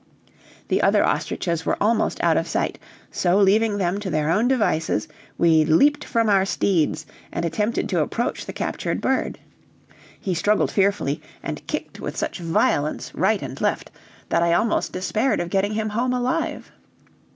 The other ostriches were almost out of sight, so leaving them to their own devices, we leaped from our steeds and attempted to approach the captured bird. He struggled fearfully, and kicked with such violence, right and left, that I almost despaired of getting him home alive.